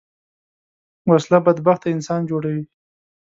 وسله بدبخته انسان جوړوي